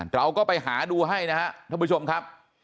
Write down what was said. เราก็ไปหาดูให้นะครับท่านผู้ชมครับ